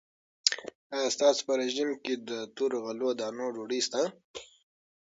آیا ستاسو په رژیم کې د تورو غلو دانو ډوډۍ شته؟